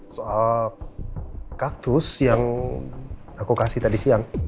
soal kaktus yang aku kasih tadi siang